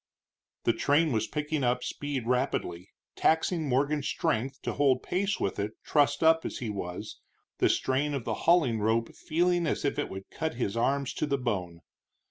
The train was picking up speed rapidly, taxing Morgan's strength to hold pace with it trussed up as he was, the strain of the hauling rope feeling as if it would cut his arms to the bone.